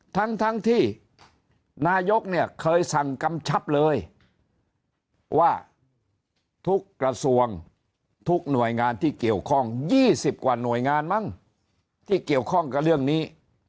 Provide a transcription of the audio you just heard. ทั้งที่นายกเนี่ยเคยสั่งกำชับเลยว่าทุกกระทรวงทุกหน่วยงานที่เกี่ยวข้อง๒๐กว่าหน่วยงานมั้งที่เกี่ยวข้องกับเรื่องนี้